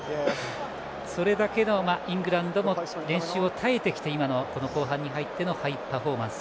それだけのイングランドも練習を耐えてきて今の後半に入ってのハイパフォーマンス。